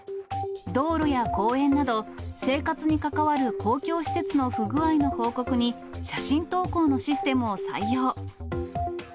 道路や公園など、生活に関わる公共施設の不具合の報告に、写真投稿のシステムを採用。